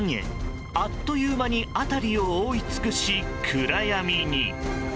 あっという間に辺りを覆い尽くし暗闇に。